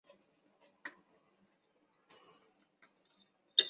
但是发现重联行驶方向后方的机车常有熄火故障。